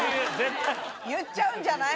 言っちゃうんじゃない。